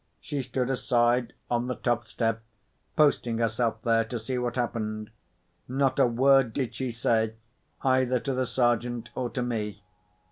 She stood aside, on the top step, posting herself there to see what happened. Not a word did she say, either to the Sergeant or to me.